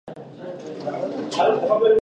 افغان ځواکونه له لرې خورېدلې وو.